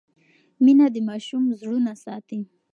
مینه د ماشوم زړونه ساتي.